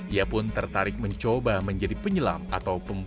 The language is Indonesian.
ia pun tertarik mencoba menjadi penyelam atau pembuka